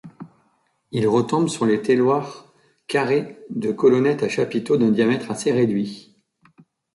Il retombe sur les tailloirs carrés de colonnettes à chapiteaux d'un diamètre assez réduit.